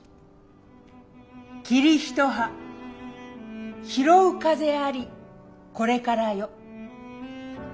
「桐一葉拾う風ありこれからよ」。